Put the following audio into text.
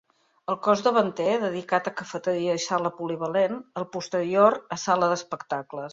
El cos davanter dedicat a cafeteria i sala polivalent, el posterior a sala d'espectacles.